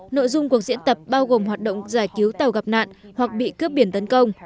nội dung cuộc diễn tập bao gồm hoạt động giải cứu tàu gặp nạn hoặc bị cướp biển tấn công